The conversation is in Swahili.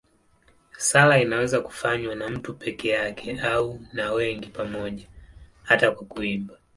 Sala inaweza kufanywa na mtu peke yake au na wengi pamoja, hata kwa kuimba.